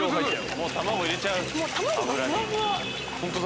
もう卵入れちゃう油に。